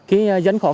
hôm nay gián khổ